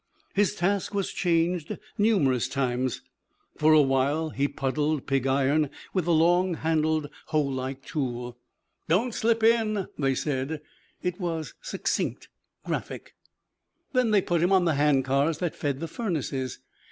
His task was changed numerous times. For a while he puddled pig iron with the long handled, hoe like tool. "Don't slip in," they said. It was succinct, graphic. Then they put him on the hand cars that fed the furnaces.